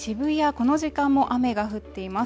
この時間も雨が降っています